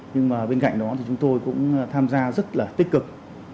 nhưng mà bên cạnh đó thì chúng tôi cũng tham gia rất là tích cực